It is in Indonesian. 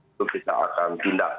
itu kita akan pindah